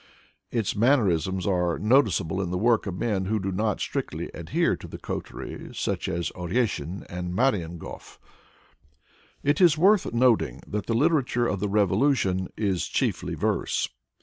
Its man nerisms are noticeable in the work of men who do not strictly adhere to the coterie, such as Oreshin and Marienhof. It is worth noting that the literature of the revolution is chiefly verse.